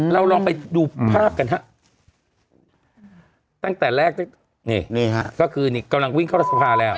เราลองไปดูภาพกันฮะตั้งแต่แรกนี่ฮะก็คือนี่กำลังวิ่งเข้ารัฐสภาแล้ว